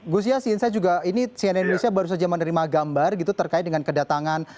gusya si indonesia baru saja menerima gambar terkait dengan kedatangan